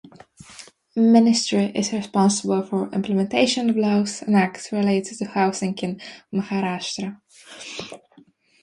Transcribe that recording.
Ministry is responsible for implementation of laws and acts related to housing in Maharashtra.